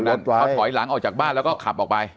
เขาถอยหลังออกจากบ้านแล้วก็ขับออกไป